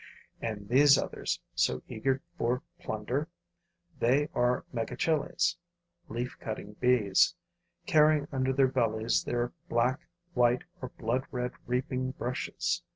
And these others, so eager for plunder? They are Megachiles [leaf cutting bees], carrying under their bellies their black, white or blood red reaping brushes.